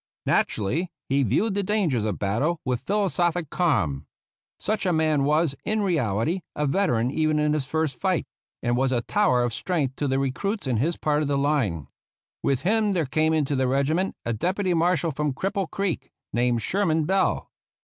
Naturally, he viewed the dangers of bat tle with philosophic calm. Such a man was, in 25 THE ROUGH RIDERS reality, a veteran even in his first fight, and was a tower of strength to the recruits in his part of the line. With him there came into the regiment a deputy marshal from Cripple Creek named Sher man Bell.